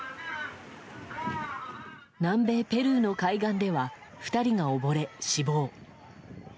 南米ペルーの海岸では２人が溺れ、死亡。